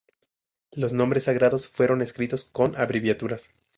Los nombres sagrados fueron escritos con abreviaturas.